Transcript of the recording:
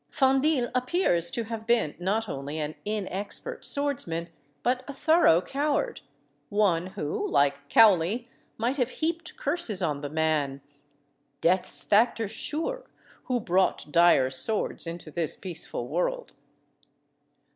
Fendille appears to have been not only an inexpert swordsman, but a thorough coward; one who, like Cowley, might have heaped curses on the man, "(Death's factor sure), who brought Dire swords into this peaceful world."